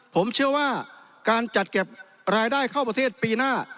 ผมเชื่อว่าการจัดเก็บรายได้เข้าประเทศปีหน้า